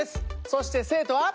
そして生徒は。